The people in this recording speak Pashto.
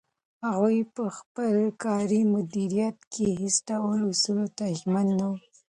هغوی په خپل کاري مدیریت کې هیڅ ډول اصولو ته ژمن نه وو.